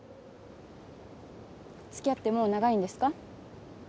つきあってもう長いんですか？